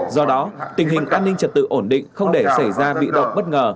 do đó tình hình an ninh trật tự ổn định không để xảy ra bị động bất ngờ